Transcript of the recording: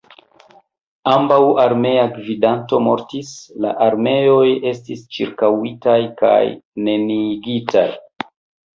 Ambaŭ armea gvidanto mortis, la armeoj estis ĉirkaŭitaj kaj neniigitaj.